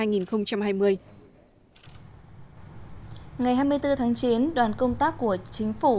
ngày hai mươi bốn tháng chín đoàn công tác của chính phủ